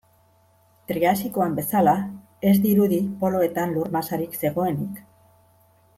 Triasikoan bezala ez dirudi poloetan lur masarik zegoenik.